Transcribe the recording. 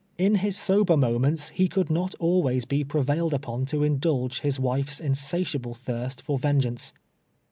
In his sober moments he could not al Mays be prevailed upon to indulge his wile's insatia ble thirst tor vengeance.